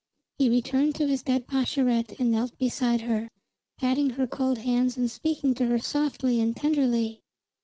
He returned to his dead Pascherette and knelt beside her, patting her cold hands and speaking to her softly and tenderly.